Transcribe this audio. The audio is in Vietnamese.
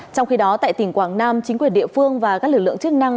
trong khi đó tại tỉnh quảng nam chính quyền địa phương và các lực lượng chức năng